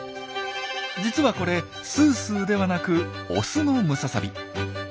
実はこれすーすーではなくオスのムササビ。